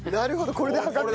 これで測って。